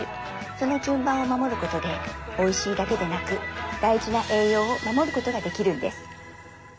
その順番を守ることでおいしいだけでなく大事な栄養を守ることができるんです。